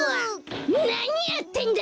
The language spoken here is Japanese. なにやってんだ！？